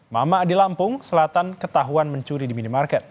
mama di lampung selatan ketahuan mencuri di minimarket